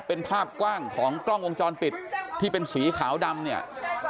เป็นภาพกว้างของกล้องวงจรปิดที่เป็นสีขาวดำเนี่ย